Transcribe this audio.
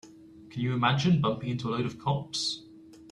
Can you imagine bumping into a load of cops?